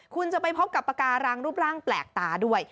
คุณจะไปพบกับปากการังรูปร่างแปลกตาด้วย